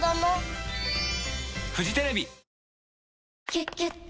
「キュキュット」